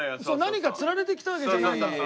何か釣られて来たわけじゃないからね。